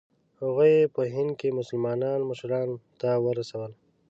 هغوی یې په هند کې مسلمانانو مشرانو ته ورسول.